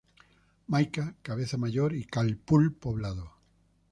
Maika- Cabeza Mayor, y Calpul-Poblado.